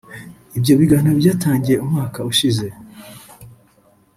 Ibyo biganiro byatangiye umwaka ushize